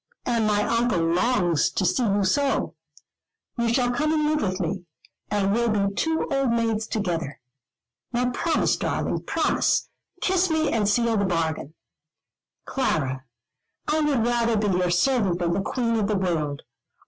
And my Uncle longs to see you so. You shall come and live with me, and we'll be two old maids together. Now promise, darling, promise. Kiss me, and seal the bargain." "Clara, I would rather be your servant than the queen of the world.